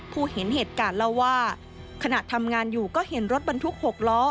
เห็นเหตุการณ์เล่าว่าขณะทำงานอยู่ก็เห็นรถบรรทุก๖ล้อ